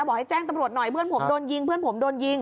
บอกให้แจ้งตำรวจหน่อยเพื่อนผมโดนยิง